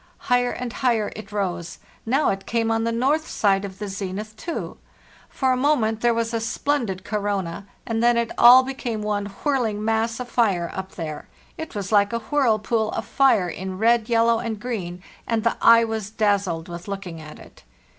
Higher and higher it rose; now it came on the north side of the zenith too; for a moment there was a splendid corona, and then it all became one whirling mass of fire up there; it was like a whirlpool of fire in red, yellow, and green, and the eye was dazzled with looking at it.